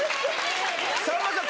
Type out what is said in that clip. さんまさん